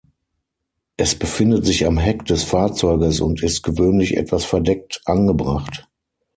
Es befindet sich am Heck des Fahrzeuges und ist gewöhnlich etwas verdeckt angebracht.